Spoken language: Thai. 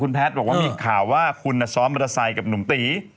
แพทย์บอกว่ามีข่าวว่าคุณซ้อมมอเตอร์ไซค์กับหนุ่มตี